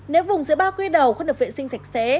nếu vùng dưới bao quy đầu không được vệ sinh sạch sẽ